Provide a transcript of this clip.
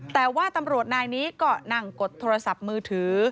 แต่ว่าตำรวจนายนี้ก็นั่งกดโทรศัพท์มือถือ